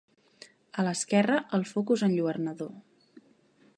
A l'esquerra el focus enlluernador.